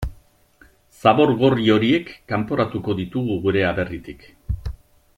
Zabor gorri horiek kanporatuko ditugu gure aberritik.